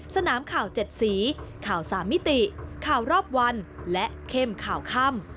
สนามข่าว๗สีข่าว๓มิติข่าวรอบวันและเข้มข่าวค่ำ